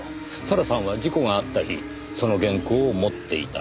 咲良さんは事故があった日その原稿を持っていた。